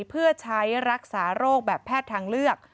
เพื่อใช้รักษาโรคแบบแพทย์ทางเลือก